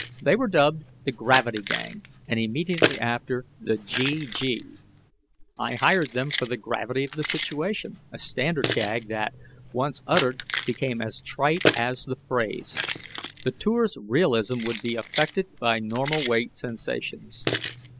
They were dubbed the Gravity Gang, and immediately after, the GG. I hired them for the gravity of the situation, a standard gag that, once uttered, became as trite as the phrase. The Tour's realism would be affected by normal weight sensations.